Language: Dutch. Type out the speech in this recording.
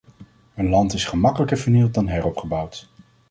Een land is gemakkelijker vernield dan heropgebouwd.